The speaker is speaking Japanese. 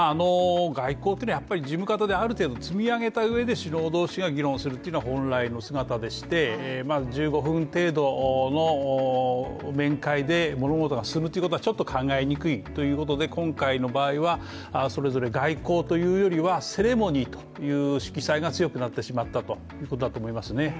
外交は事務方である程度、積み上げたうえで行うというのが本来の姿でして、１５分程度の面会で物事が進むということはちょっと考えにくいということで、今回の場合はそれぞれ外交というよりはセレモニーという色彩が強くなったということだと思います。